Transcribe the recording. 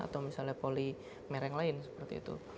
atau misalnya polymer yang lain seperti itu